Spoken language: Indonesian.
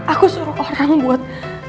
aku suruh orang buat